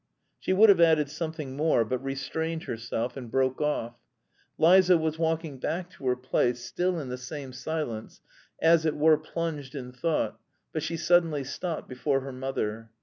She would have added something more, but restrained herself and broke off. Liza was walking back to her place, still in the same silence, as it were plunged in thought, but she suddenly stopped before her mother.